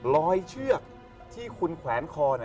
เชือกที่คุณแขวนคอ